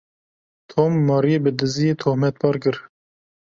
Tom, Maryê bi diziyê tohmetbar kir.